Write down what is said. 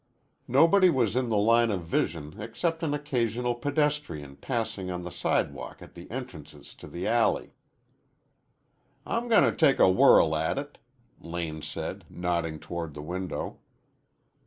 Nobody was in the line of vision except an occasional pedestrian passing on the sidewalk at the entrances to the alley. "I'm gonna take a whirl at it," Lane said, nodding toward the window.